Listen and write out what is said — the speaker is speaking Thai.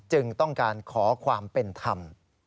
จึงต้องการขอความเป็นธรรม